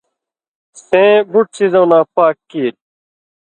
سېں بُٹ څیزؤں نہ پاک کیریۡ